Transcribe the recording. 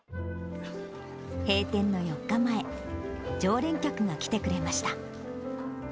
閉店の４日前、常連客が来てくれました。